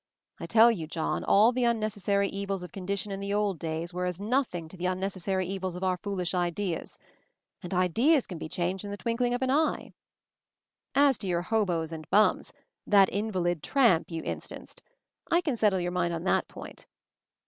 I tell you, John, all the unnecessary evils of condition in the old days, were as nothing to the unnecessary evils of our fool ish ideas ! And ideas can be changed in the twinkling of an eye! "As to your hoboes and bums, that inva lid tramp you instanced — I can settle your mind on that point.